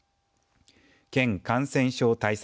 県感染症対策